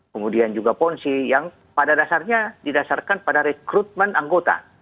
kemudian juga ponzi yang pada dasarnya didasarkan pada rekrutmen anggota